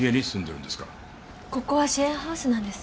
ここはシェアハウスなんです。